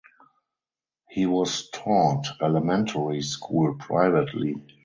He was taught elementary school privately.